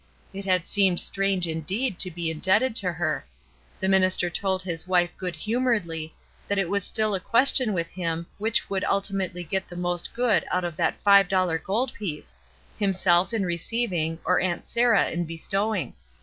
It had seemed strange, indeed, to be indebted to her. The minister told his wife good humoredly that it was still a question with him which would ultimately get the most good out of that five dollar gold piece, — himself in receiving or Aunt Sarah in bestowing.